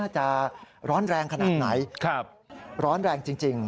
จะร้อนแรงขนาดไหนร้อนแรงจริง